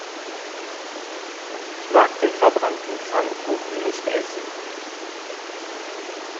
Ich mag den verbrannten Pfannkuchen nicht essen.